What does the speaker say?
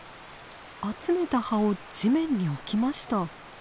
集めた葉を地面に置きました。